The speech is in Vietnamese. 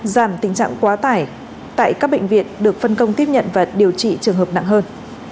giảm tình trạng quá tải tại các bệnh viện được phân công tiếp nhận và điều trị trường hợp nặng hơn